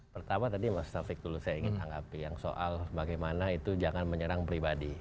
pertama tadi mas taufik dulu saya ingin tanggapi yang soal bagaimana itu jangan menyerang pribadi